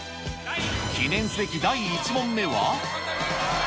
記念すべき第１問目は。